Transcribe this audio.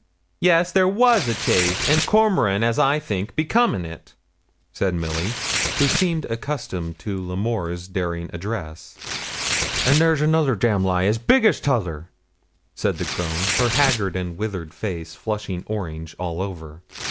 'Yes, there was a chaise, and Cormoran, as I think, be come in it,' said Milly, who seemed accustomed to L'Amour's daring address. 'And there's another damn lie, as big as the t'other,' said the crone, her haggard and withered face flushing orange all over.